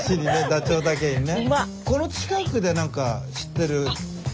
ダチョウだけにね。